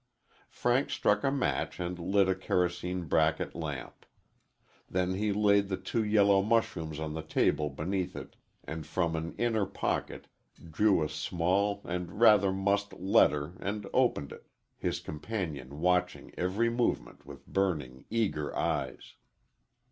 Frank struck a match and lit a kerosene bracket lamp. Then he laid the two yellow mushrooms on the table beneath it, and from an inner pocket drew a small and rather mussed letter and opened it his companion watching every movement with burning eager eyes.